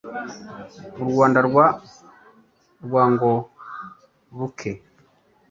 u rwanda rwa rwango-ruke